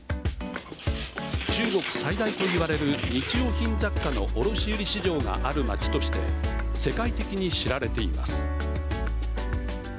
中国最大といわれる日用品雑貨の卸売り市場がある町として世界的に知られています。